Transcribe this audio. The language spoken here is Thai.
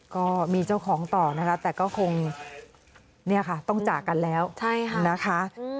ก็มีเจ้าของต่อนะคะแต่ก็คงเนี่ยค่ะต้องจากกันแล้วนะคะ